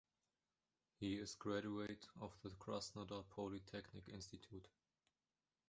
He is a graduate of the Krasnodar Polytechnic Institute.